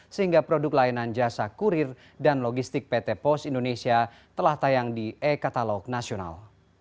sehingga produk layanan jasa kurir dan logistik pt pos indonesia telah tayang di e katalog nasional